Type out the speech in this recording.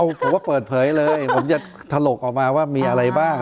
ผมว่าเปิดเผยเลยผมจะถลกออกมาว่ามีอะไรบ้าง